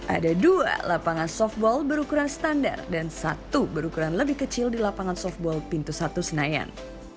ada dua lapangan softball berukuran standar dan satu berukuran lebih kecil di lapangan softball pintu satu senayan